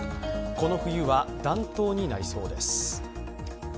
この冬は暖冬になりそうです。